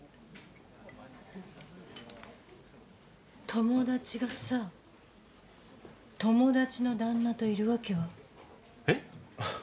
友達がさ友達の旦那といる訳は？えっ？あっ。